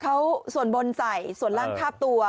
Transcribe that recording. เขาส่วนบนใส่ส่วนล่างคาบตัว